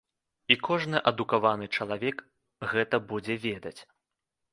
І кожны адукаваны чалавек гэта будзе ведаць.